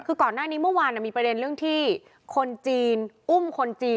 คือก่อนหน้านี้เมื่อวานมีประเด็นเรื่องที่คนจีนอุ้มคนจีน